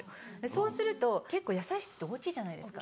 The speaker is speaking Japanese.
そうすると結構野菜室って大きいじゃないですか。